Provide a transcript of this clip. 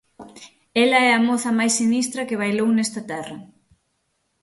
Ela é a moza máis sinistra que bailou nesta terra